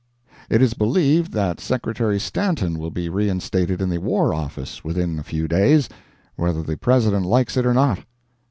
It is believed that Secretary Stanton will be reinstated in the War Office within a few days, whether the President likes it or not.